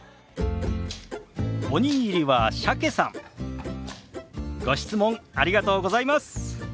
おにぎりは鮭さんご質問ありがとうございます。